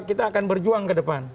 kita akan berjuang kedepan